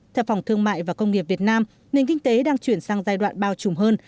theo phòng thương mại và công nghiệp việt nam nền kinh tế đang chuyển sang giai đoạn bao trùm hơn